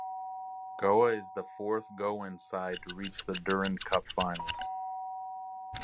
Goa is the fourth Goan side to reach the Durand Cup finals.